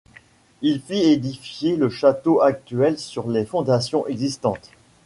Il fit édifier le château actuel sur les fondations existantes.